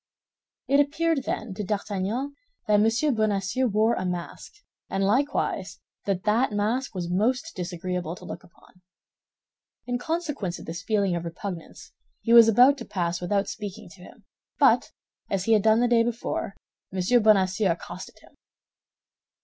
It appeared, then, to D'Artagnan that M. Bonacieux wore a mask, and likewise that that mask was most disagreeable to look upon. In consequence of this feeling of repugnance, he was about to pass without speaking to him, but, as he had done the day before, M. Bonacieux accosted him.